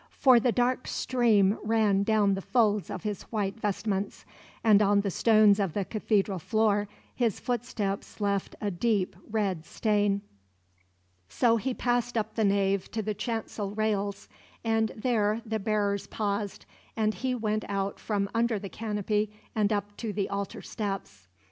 For the dark stream ran down the folds of his white vestments; and on the stones of the Cathedral floor his footsteps left a deep, red stain. So he passed up the nave to the chancel rails; and there the bearers paused, and he went out from under the canopy and up to the altar steps.